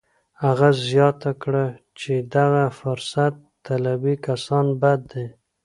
هغه زیاته کړه چې دغه فرصت طلبي کسان بد دي